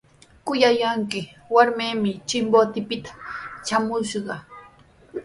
Kuyanqayki warmimi Chimbotepita traamushqa.